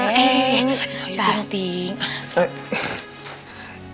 eh ini buktinya